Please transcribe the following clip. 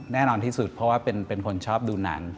แน่นอนที่สุดเพราะว่าเป็นคนชอบดูนาน